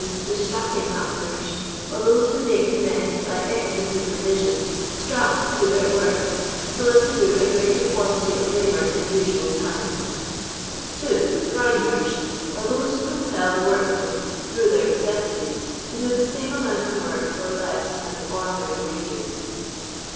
The strapping mcuters, or those who make the men (by extra supervision) " strap "to their work, so as to do a greater quantity of labour in the usual time. 2. Grinders, or those who compel the work men (through their neceuities) to do tho same amount of work for less than the ordinary wages.